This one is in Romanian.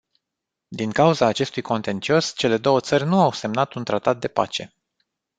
Din cauza acestui contencios, cele două țări nu au semnat un tratat de pace.